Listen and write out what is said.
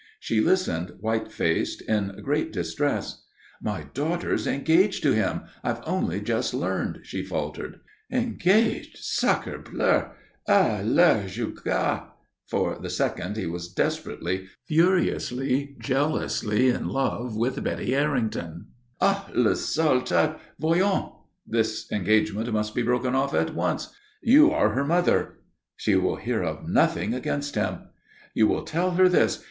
She listened white faced, in great distress. "My daughter's engaged to him. I've only just learned," she faltered. "Engaged? Sacrebleu! Ah, le goujat!" for the second he was desperately, furiously, jealously in love with Betty Errington. "Ah, le sale type! Voyons! This engagement must be broken off. At once! You are her mother." "She will hear of nothing against him." "You will tell her this.